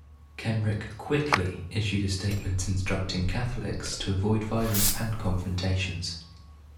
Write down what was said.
Kenrick quickly issued a statement instructing Catholics to avoid violence and confrontations.